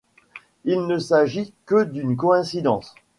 Il ne s'agit que d'une coïncidence.